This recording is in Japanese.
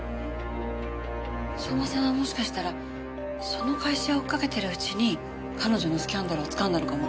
相馬さんはもしかしたらその会社を追いかけてるうちに彼女のスキャンダルをつかんだのかも。